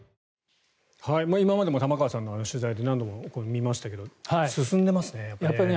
今までも玉川さんの取材で何度も見ましたけれど進んでますね、やっぱりね。